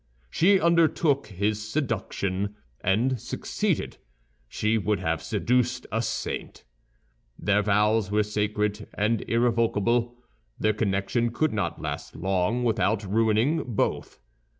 She undertook his seduction, and succeeded; she would have seduced a saint. "Their vows were sacred and irrevocable. Their connection could not last long without ruining both.